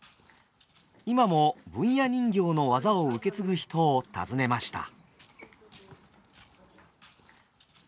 今も文弥人形の技を受け継ぐ人を訪ねました。